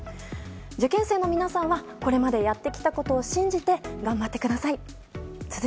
受験生の皆さんはこれまでやってきたことを信じて頑張ってください。